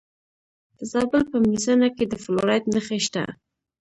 د زابل په میزانه کې د فلورایټ نښې شته.